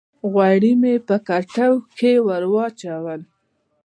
غوړي مې په کټوۍ کښې ور واچول